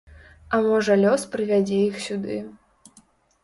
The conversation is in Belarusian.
А можа лёс прывядзе іх сюды.